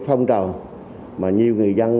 phong trào mà nhiều người dân